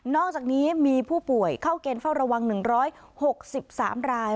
อกจากนี้มีผู้ป่วยเข้าเกณฑ์เฝ้าระวัง๑๖๓ราย